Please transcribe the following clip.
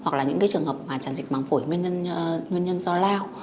hoặc là những trường hợp tràn dịch măng phổi nguyên nhân do lao